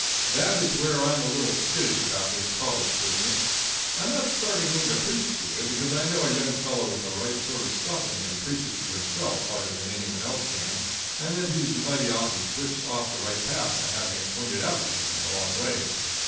That is where I'm a little skittish about this college business. I'm not starting in to preach to you, because I know a young fellow with the right sort of stuff in him preaches to himself harder than any one else can, and that he's mighty often switched off the right path by having it pointed out to him in the wrong way.